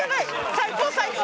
最高最高。